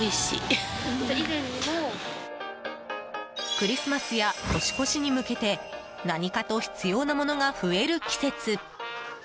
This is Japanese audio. クリスマスや年越しに向けて何かと必要なものが増える季節。